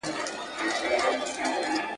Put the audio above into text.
جهاني لرم په زړه کي لویه خدایه یوه هیله `